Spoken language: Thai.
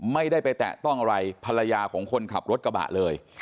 ไม่ได้ไปแตะต้องอะไรภรรยาของคนขับรถกระบะเลย